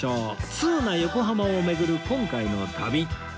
通な横浜を巡る今回の旅